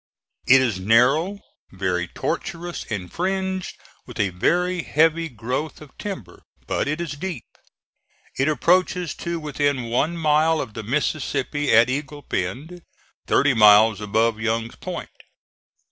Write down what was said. It is narrow, very tortuous, and fringed with a very heavy growth of timber, but it is deep. It approaches to within one mile of the Mississippi at Eagle Bend, thirty miles above Young's Point.